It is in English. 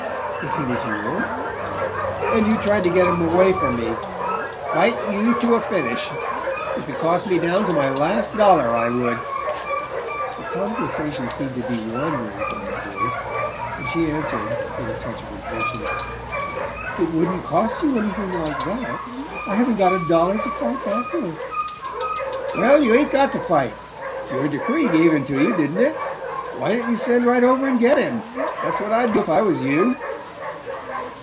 "If he was yours?" "And you tried to get him away from me. Fight you to a finish! If it cost me down to my last dollar I would." The conversation seemed to be wandering from the point, and she answered, with a touch of impatience: "It wouldn't cost you anything like that. I haven't got a dollar to fight back with." "Well, you ain't got to fight. Your decree gave him to you, didn't it? Why don't you send right over and get him? That's what I'd do if I was you."